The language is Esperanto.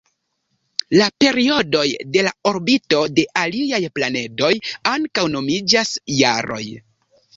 La periodoj de la orbito de aliaj planedoj ankaŭ nomiĝas jaroj.